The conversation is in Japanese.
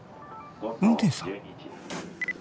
運転手さん？